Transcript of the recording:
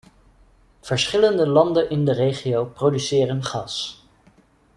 Verschillende landen in de regio produceren gas.